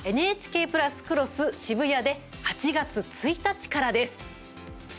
ＮＨＫプラスクロスＳＨＩＢＵＹＡで８月１日からです。